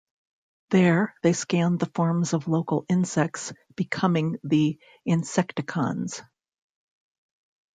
There, they scanned the forms of local insects, becoming the Insecticons.